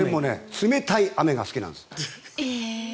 でも冷たい雨が好きなんです。